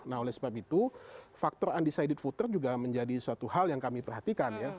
nah oleh sebab itu faktor undecided voter juga menjadi suatu hal yang kami perhatikan ya